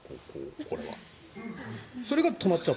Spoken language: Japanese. これは。